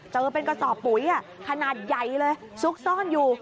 เจอเป็นกระสอบปุ๋ยขนาดใหญ่เลยซุกซ่อนอยู่